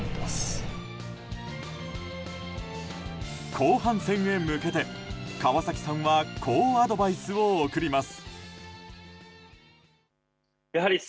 後半戦へ向けて川崎さんはこうアドバイスを送ります。